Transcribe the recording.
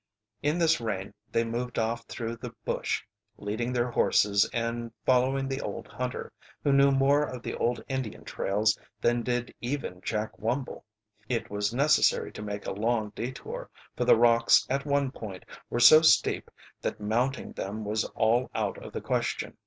In this rain they moved off through the brush, leading their horses and following the old hunter, who knew more of the old Indian trails than did even Jack Wumble. It was necessary to make a long detour, for the rocks at one point were so steep that mounting them was all out of the question.